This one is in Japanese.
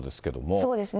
そうですね。